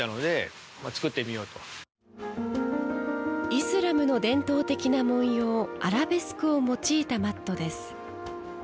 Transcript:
イスラムの伝統的な文様アラベスクを用いたマットです。